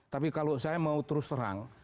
tapi kalau saya mau terus terang